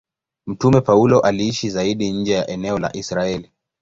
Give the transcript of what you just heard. Mtume Paulo aliishi zaidi nje ya eneo la Israeli.